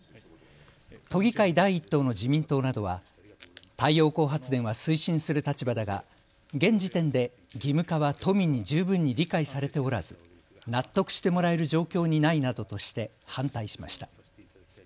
都議会第１党の自民党などは太陽光発電は推進する立場だが現時点で義務化は都民に十分に理解されておらず納得してもらえる状況にないなどとして反対しました。